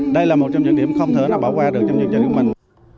đây là một trong những điểm không thể nào bỏ qua được trong chương trình của mình